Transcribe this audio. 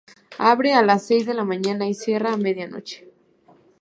Abre a las seis de la mañana y cierra a medianoche.